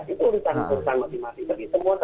itu urusan urusan matematika